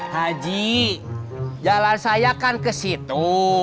haji jalan saya kan ke situ